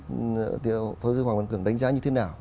thưa sư hoàng văn cường đánh giá như thế nào